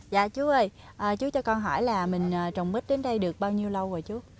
dạ chú ơi chú cho con hỏi là mình trồng mít đến đây được bao nhiêu lâu rồi chú